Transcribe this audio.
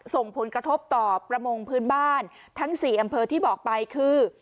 ส่งผลกระทบต่อประมงพื้นบ้านทั้ง๔อำเภอที่บอกไปคือ